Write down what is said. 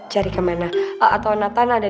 cari kemana atau natana ada